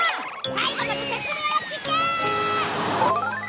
最後まで説明を聞け！